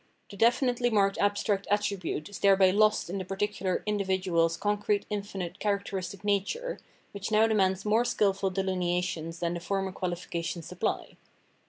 The definitely marked abstract attribute is thereby lost in the particular individual's concrete infinite characteristic nature, which now de mands more skilful delineations than the former qualifi cations supply.